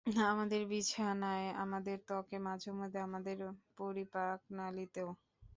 আমাদের বিছানায়, আমাদের ত্বকে, মাঝেমাঝে আমাদের পরিপাকনালীতেও।